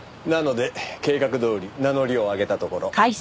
なので計画どおり名乗りを上げたところ。